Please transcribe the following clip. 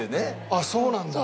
あっそうなんだ。